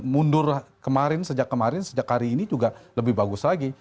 mundur kemarin sejak kemarin sejak hari ini juga lebih bagus lagi